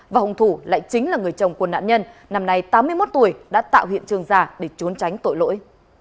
và hồng thủ lại chính là người chồng của nạn nhân năm nay tám mươi một tuổi đã tạo hiện trường giả để trốn tránh tội lỗi